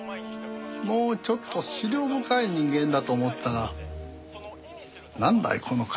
もうちょっと思慮深い人間だと思ってたがなんだいこの会見は。